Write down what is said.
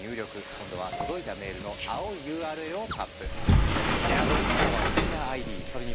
今度は届いたメールの青いＵＲＬをタップ。